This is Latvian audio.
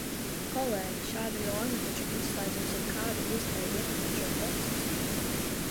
Kolēģi, šāda norma taču izslēdz jums jebkādu iespēju ietekmēt šo procesu!